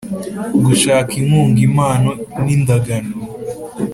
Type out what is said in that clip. Gushaka inkunga impano n indagano